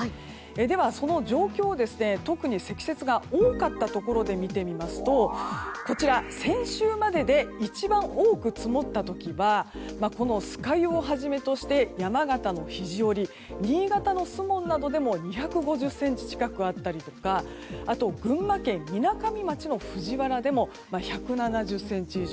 では、その状況を特に積雪が多かったところで見てみますと先週までで一番多く積もった時は酸ヶ湯をはじめとして山形の肘折新潟の守門などでも２５０ｃｍ近くあったりとか群馬県みなかみ町の藤原でも１７０ｃｍ以上。